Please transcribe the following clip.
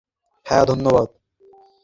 হ্যাঁ, ধন্যবাদ।